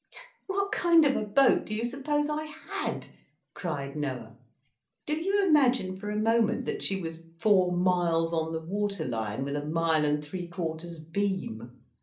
"What kind of a boat do you suppose I had?" cried Noah. "Do you imagine for a moment that she was four miles on the water line, with a mile and three quarters beam?